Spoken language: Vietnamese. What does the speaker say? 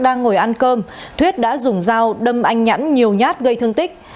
đang ngồi ăn cơm thuyết đã dùng dao đâm anh nhẫn nhiều nhát gây thương tích